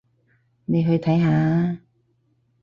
你去睇下吖